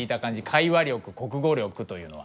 会話力国語力というのは？